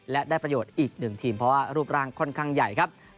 และได้ประโยชน์อีกหนึ่งทีมเพราะว่ารูปร่างค่อนข้างใหญ่ครับ